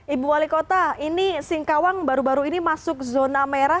ibu wali kota ini singkawang baru baru ini masuk zona merah